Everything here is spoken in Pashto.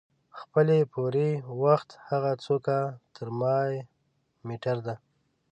خپلې پورې وخت هغه څوکه ترمامیټر د